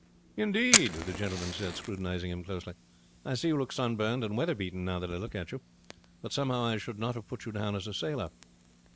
"Indeed!" the gentleman said, scrutinizing him closely. "I see you look sunburned and weather beaten now that I look at you; but somehow I should not have put you down as a sailor."